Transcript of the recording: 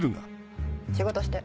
仕事して。